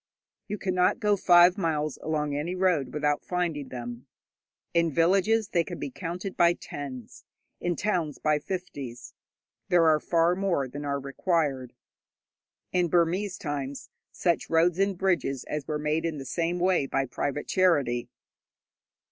You cannot go five miles along any road without finding them. In villages they can be counted by tens, in towns by fifties. There are far more than are required. In Burmese times such roads and bridges as were made were made in the same way by private charity.